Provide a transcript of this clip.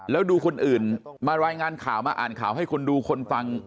แล้วดูคนอื่นมารายงานข่าวมาอ่านข่าวให้คนดูคนฟัง